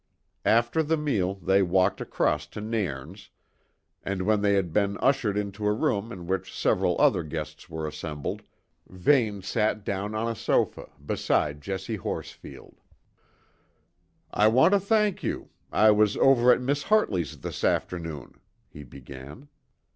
After the meal, they walked across to Nairn's, and when they had been ushered into a room in which several other guests were assembled, Vane sat down on a sofa, beside Jessie Horsfield. "I want to thank you; I was over at Miss Hartley's this afternoon," he began.